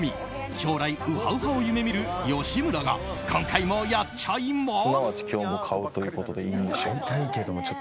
将来ウハウハを夢見る吉村が今回もやっちゃいます。